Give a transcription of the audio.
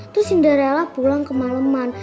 terus cinderella pulang ke maleman